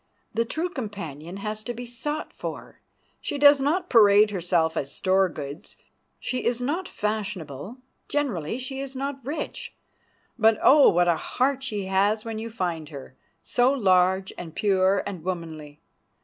The true companion has to be sought for. She does not parade herself as store goods. She is not fashionable. Generally she is not rich. But, oh! what a heart she has when you find her—so large and pure and womanly.